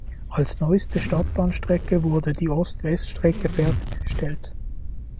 Als neueste Stadtbahnstrecke wurde die Ost-West-Strecke fertiggestellt.